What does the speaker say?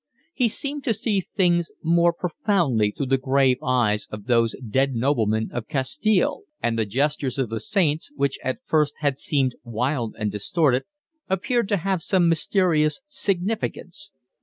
He seemed to see things more profoundly through the grave eyes of those dead noblemen of Castile; and the gestures of the saints, which at first had seemed wild and distorted, appeared to have some mysterious significance.